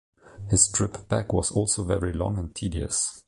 His trip back was also very long and tedious.